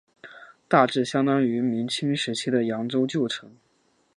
大致相当于明清时期的扬州旧城。